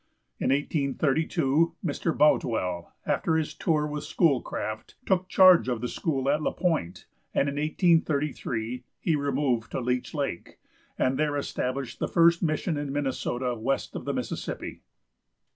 In 1832 Mr. Boutwell, after his tour with Schoolcraft, took charge of the school at La Pointe, and in 1833 he removed to Leech lake, and there established the first mission in Minnesota west of the Mississippi.